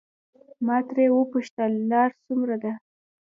ما ترې وپوښتل لار څومره ده.